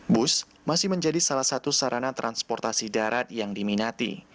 bus masih menjadi salah satu sarana transportasi darat yang diminati